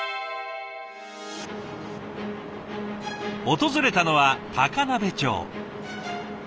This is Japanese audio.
訪れたのは高鍋町。